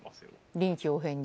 臨機応変に。